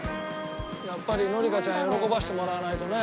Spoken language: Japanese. やっぱり紀香ちゃん喜ばせてもらわないとね。